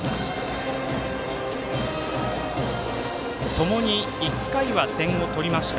ともに１回は点を取りました。